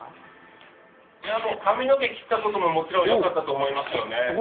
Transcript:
髪の毛切ったことももちろんよかったと思いますよね。